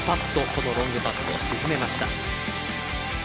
このロングパットを沈めました。